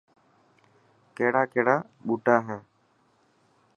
ڪهڙا ڪهڙا ٻوٽا هي.